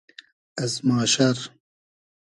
از ماشئر